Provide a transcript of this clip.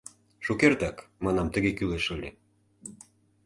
— Шукертак, манам, тыге кӱлеш ыле.